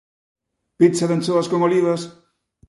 Pizza de anchoas con olivas.